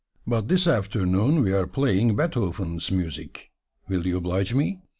But this afternoon we are playing Beethoven's music will you oblige me?"